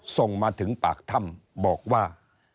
ส่งมาถึงปากถ้ำบอกว่า